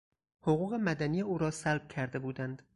حقوق مدنی او را سلب کرده بودند.